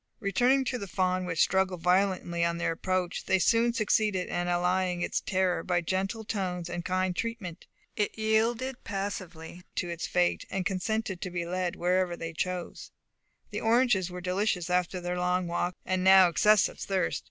Returning to the fawn, which struggled violently on their approach, they soon succeeded in allaying its terror by gentle tones and kind treatment. It yielded passively to its fate, and consented to be led wherever they chose. The oranges were delicious after their long walk, and now excessive thirst.